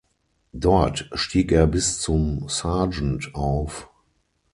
Dort stieg er bis zum Sergeant auf.